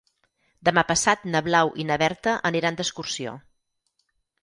Demà passat na Blau i na Berta aniran d'excursió.